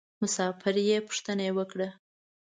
مسافر یې پوښتنه یې وکړه.